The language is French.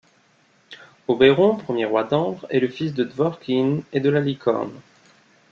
Obéron, premier roi d'Ambre, est le fils de Dworkin et de la Licorne.